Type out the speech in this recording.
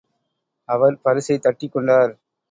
அவர் பரிசைத் தட்டிக் கொண்டார்.